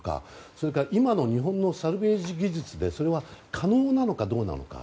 それから今の日本のサルベージ技術でそれは可能なのかどうなのか。